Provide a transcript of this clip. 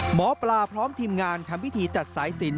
หมอปลาพร้อมทีมงานทำพิธีจัดสายสิน